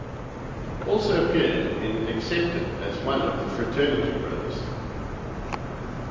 Also appeared in "Accepted" as one of the Fraternity Brothers.